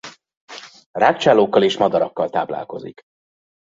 Rágcsálókkal és madarakkal táplálkozik.